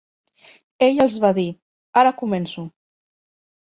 Ell els va dir: «Ara començo»